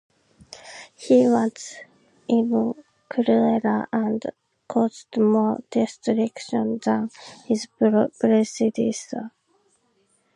He was even crueler and caused more destruction than his predecessor.